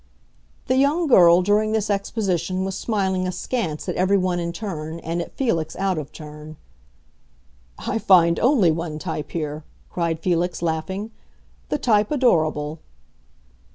The young girl, during this exposition, was smiling askance at everyone in turn, and at Felix out of turn. "I find only one type here!" cried Felix, laughing. "The type adorable!"